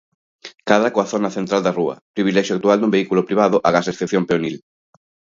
Cadra coa zona central da rúa, privilexio actual do vehículo privado agás excepción peonil.